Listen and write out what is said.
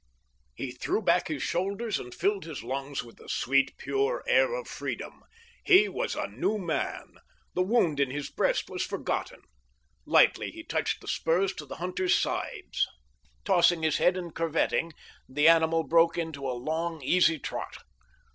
He threw back his shoulders and filled his lungs with the sweet, pure air of freedom. He was a new man. The wound in his breast was forgotten. Lightly he touched his spurs to the hunter's sides. Tossing his head and curveting, the animal broke into a long, easy trot.